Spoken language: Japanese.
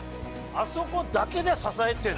あそこだけで支えてる。